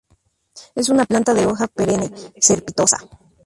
Es una planta de hoja perenne, cespitosa.